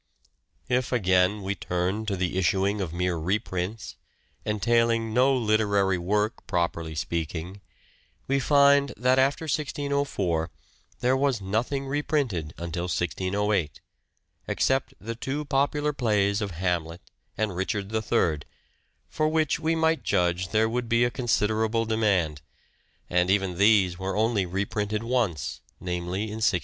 If, again, we turn to the issuing of mere reprints, entailing no literary work properly speaking, we find that after 1604 there was nothing reprinted until 1608, except the two popular plays of " Hamlet " and " Richard III," for which we might judge there would be a considerable demand : and even these were only reprinted once, namely in 1605.